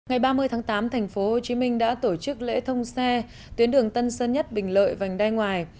ngày ba mươi tháng tám tp hcm đã tổ chức lễ thông xe tuyến đường tân sơn nhất bình lợi vành đai ngoài